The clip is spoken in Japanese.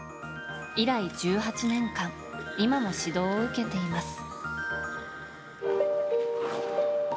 以来、１８年間今も指導を受けています。